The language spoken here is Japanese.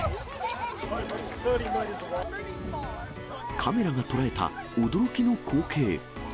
カメラが捉えた驚きの光景。